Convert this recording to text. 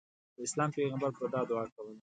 د اسلام پیغمبر به دا دعا کوله.